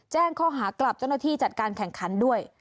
แจ้งข้อหากลับเจ้าหน้าที่จัดการแข่งขันด้วย